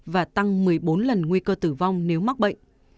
và tăng một mươi bốn lần nguy cơ tử vong nếu mắc bệnh